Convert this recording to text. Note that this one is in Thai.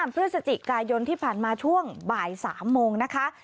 พฤศจิกายนที่ผ่านมาช่วงบ่าย๓โมงนะคะ